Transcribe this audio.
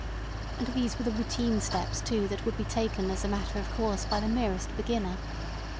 And these were the routine steps, too, that would be taken as a matter of course by the merest beginner.